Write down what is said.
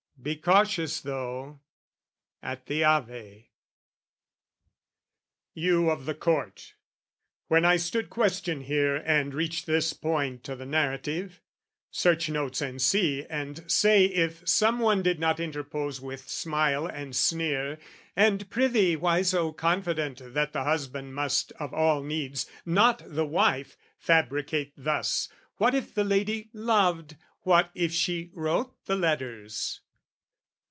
"Be cautious, though: at the Ave!" You of the court! When I stood question here and reached this point O' the narrative, search notes and see and say If some one did not interpose with smile And sneer, "And prithee why so confident "That the husband must, of all needs, not the wife, "Fabricate thus, what if the lady loved? "What if she wrote the letters?"